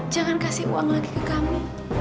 jangan kasih uang lagi ke kami